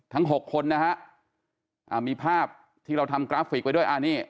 ทั้ง๖คนนะครับมีภาพที่เราทำกราฟฟิกไว้ด้วยอันนี้